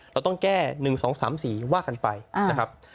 เราต้องแก้๑๒๓๔ว่ากันไปนะครับ